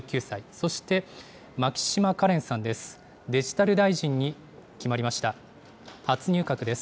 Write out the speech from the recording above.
そして牧島かれんさんです。